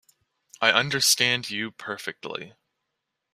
I understand you perfectly.